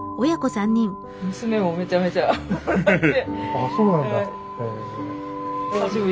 あそうなんだ。